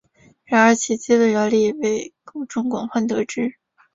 然而其基本原理已被公众广泛得知。